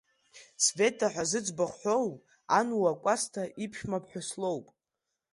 Света ҳәа зыӡбахә ҳәоу Ануа Кәасҭа иԥшәмаԥҳәыс лоуп.